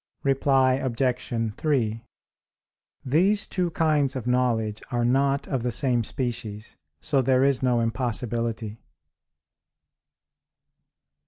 Reply Obj. 3: These two kinds of knowledge are not of the same species, so there is no impossibility.